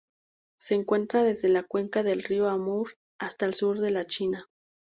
Se encuentra desde la cuenca del río Amur hasta el sur de la China.